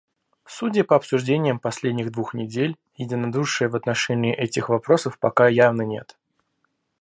Судя по обсуждениям последних двух недель, единодушия в отношении этих вопросов пока явно нет.